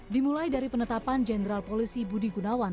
dimulai dari penetapan jenderal polisi budi gunawan